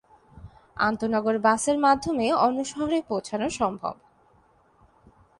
আন্তঃনগর বাসের মাধ্যমে অন্য শহরে পৌঁছানো সম্ভব।